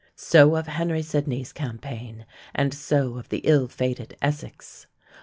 So of Henry Sidney's campaign, and so of the ill fated Essex.